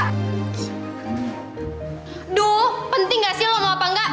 aduh penting gak sih lo mau apa enggak